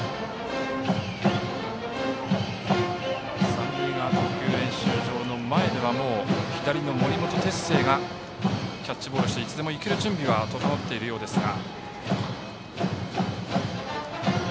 三塁側の投球練習場の前では左の森本哲星がキャッチボールしていつでもいける準備が整っているようですが。